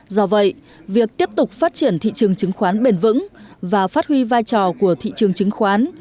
do vậy việc tiếp tục phát triển thị trường chứng khoán bền vững và phát huy vai trò của thị trường chứng khoán